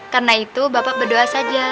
karena itu bapak berdoa saja